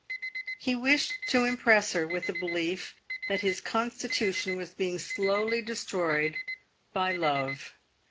He wished to impress her with the belief that his constitution was being slowly destroyed by love.